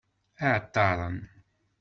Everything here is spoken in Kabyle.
Iεeṭṭaren.